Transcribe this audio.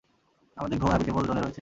আমাদের গ্রহ হ্যাবিটেবল জোনে রয়েছে।